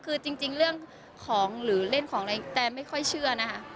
คือจริงหรือเล่นของอะไรแต่ไม่ค่อยเชื่อนะคะ